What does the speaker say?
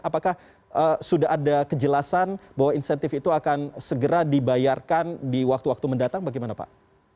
apakah sudah ada kejelasan bahwa insentif itu akan segera dibayarkan di waktu waktu mendatang bagaimana pak